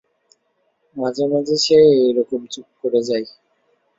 মাঝে মাঝে সে এরকম চুপ করে যায়।